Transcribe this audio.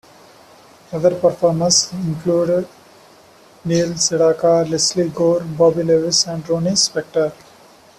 Other performers included Neil Sedaka, Lesley Gore, Bobby Lewis and Ronnie Spector.